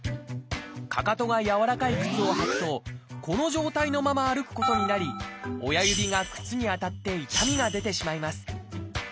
かかとが柔らかい靴を履くとこの状態のまま歩くことになり親指が靴に当たって痛みが出てしまいます。